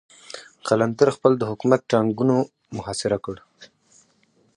قلندر خېل د حکومت ټانګونو محاصره کړ.